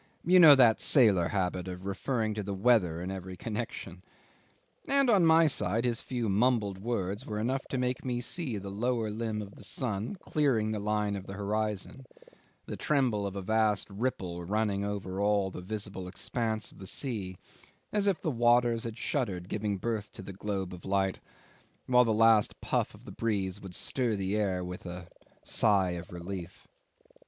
You know that sailor habit of referring to the weather in every connection. And on my side his few mumbled words were enough to make me see the lower limb of the sun clearing the line of the horizon, the tremble of a vast ripple running over all the visible expanse of the sea, as if the waters had shuddered, giving birth to the globe of light, while the last puff of the breeze would stir the air in a sigh of relief.